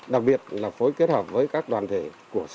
đặc biệt là phối kết hợp với các đoàn thể của xã